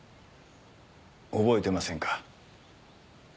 覚えてませんか？